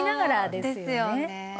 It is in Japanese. ですよね。